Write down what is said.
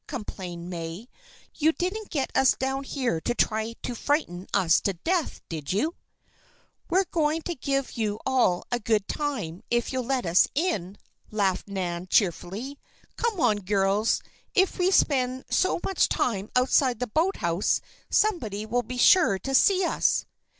complained May. "You didn't get us down here to try to frighten us to death, did you?" "We're going to give you all a good time, if you'll let us," laughed Nan, cheerfully. "Come on, girls! If we spend so much time outside the boathouse, somebody will be sure to see us."